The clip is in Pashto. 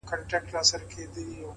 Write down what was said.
هره تجربه د درک ژورتیا زیاتوي,